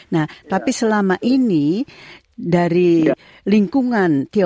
nah tapi selama ini dari lingkungan